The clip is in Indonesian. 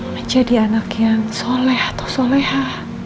menjadi anak yang soleh atau soleha